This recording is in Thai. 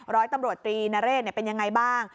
ร้อยตำรวจตรีนเรศเป็นยังไงบ้าง